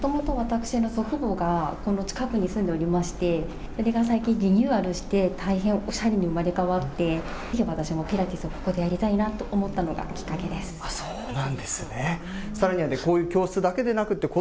もともと私の祖父母がこの近くに住んでおりまして、それが最近リニューアルされて、大変おしゃれに生まれ変わって私もピラティスをここでやりたいなと思ったのがきっかけです。